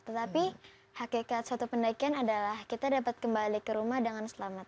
tetapi hakikat suatu pendakian adalah kita dapat kembali ke rumah dengan selamat